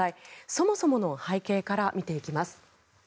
そもそもの背景から見ていきます。